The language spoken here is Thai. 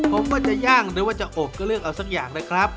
ผมว่าจะย่างหรือว่าจะอบก็เลือกเอาสักอย่างนะครับ